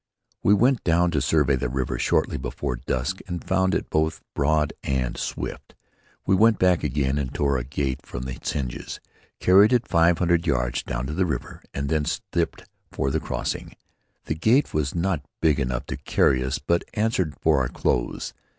We went down to survey the river shortly before dusk and found it both broad and swift. We went back again and tore a gate from its hinges, carried it the five hundred yards down to the river and then stripped for the crossing. The gate was not big enough to carry us but answered for our clothes.